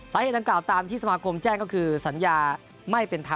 สาเหตุดังกล่าวตามที่สมากรมแจ้งก็คือ